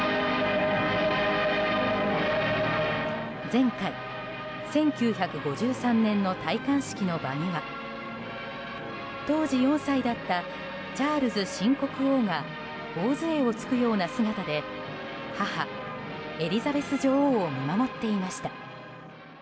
前回１９５３年の戴冠式の場には当時４歳だったチャールズ新国王が頬杖をつくような姿で母エリザベス女王を見守っていました。